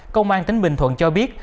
công an tính bình thuận cho biết